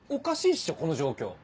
っしょこの状況。